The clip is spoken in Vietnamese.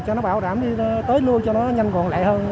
cho nó bảo rảm đi tới lưu cho nó nhanh còn lẹ hơn